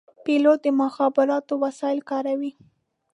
پیلوټ د مخابراتو وسایل کاروي.